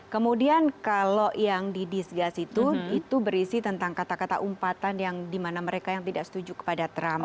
kemudian kalau yang di disgust itu itu berisi tentang kata kata umpatan yang dimana mereka yang tidak setuju kepada trump